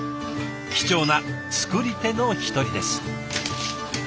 貴重な作り手の一人です。